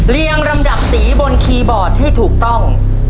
เรียงลำดับสีบนคีย์บอร์ดให้ถูกต้อง